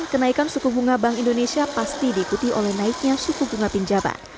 kenaikan suku bunga bank indonesia pasti diikuti oleh naiknya suku bunga pinjaman